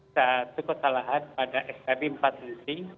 satu kesalahan pada skb empat menteri